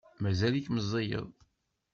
Mazal-ik meẓẓiyeḍ.